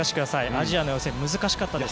アジアの予選、難しかったです。